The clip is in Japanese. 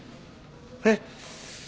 えっ？